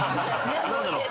何だろう。